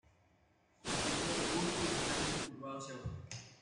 Su pico es robusto y ligeramente curvado hacia abajo.